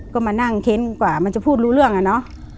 ก็มานั่งเค้นกว่ามันจะพูดรู้เรื่องอะเนาะ